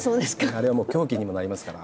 あれはもう凶器にもなりますから。